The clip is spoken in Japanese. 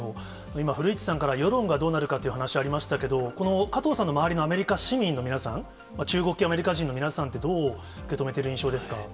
今、古市さんから、世論がどうなるかという話ありましたけれども、この加藤さんの周りのアメリカ市民の皆さん、中国系アメリカ人の皆さんって、どう受け止めてる印象ですか。